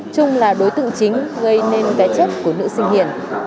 trung là đối tượng chính gây nên cái chất của nữ sinh hiển